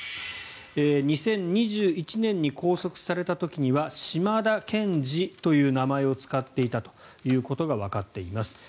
２０２１年に拘束された時にはシマダ・ケンジという名前を使っていたということがわかっています。